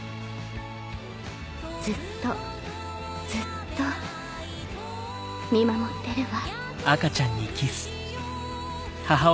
ずっとずっと見守ってるわ」。